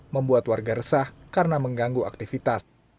membuat warga resah karena mengganggu aktivitas